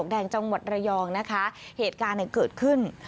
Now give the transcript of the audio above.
แดงจังหวัดระยองนะคะเหตุการณ์เนี่ยเกิดขึ้น